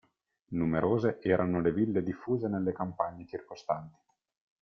Numerose erano le ville diffuse nelle campagne circostanti.